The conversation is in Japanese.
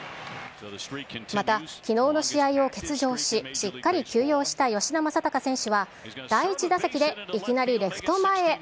またきのうの試合を欠場し、しっかり休養した吉田正尚選手は、第１打席でいきなりレフト前へ。